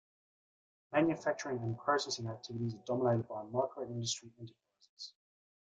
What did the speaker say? Manufacturing and processing activities are dominated by micro-industry enterprises.